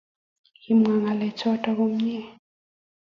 Kimwa ngalechoto komnyei